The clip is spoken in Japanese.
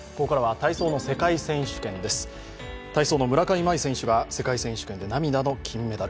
体操の村上茉愛選手が世界選手権で涙の金メダル。